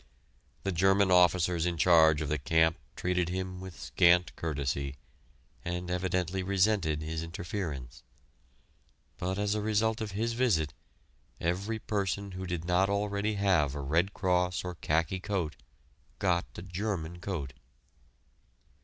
The German officers in charge of the camp treated him with scant courtesy, and evidently resented his interference. But as a result of his visit every person who did not already have a Red Cross or khaki coat got a German coat.